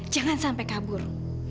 jangan sampai kabur